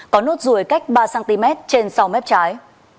có nốt ruồi cách ba cm trên sau mép trái